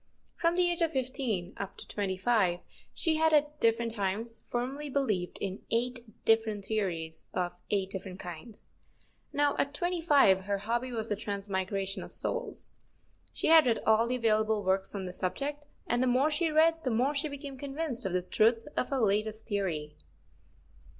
From the age of fifteen up to twenty five she had at different times firmly believed in eight different theories of eight different kinds. Now, at twenty five, her hobby was the transmigration of souls. She had read all the available works on this subject, and the more she read the more she became convinced of the truth of her latest theory.